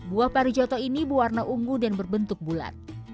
buah parijoto ini berwarna unggu dan berbentuk bulat